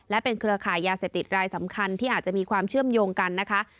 และเป็นเครือขายยาเสพติดรายสำคัญที่อาจจะมีความเชื่อมโยงกันนะคะ